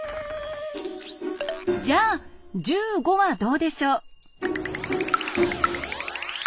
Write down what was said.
じゃあ１５はどうでしょう？